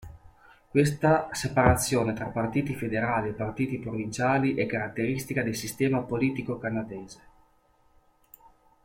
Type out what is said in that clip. Questa separazione tra partiti federali e partiti provinciali è caratteristica del sistema politico canadese.